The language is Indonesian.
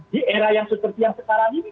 di era yang seperti yang sekarang ini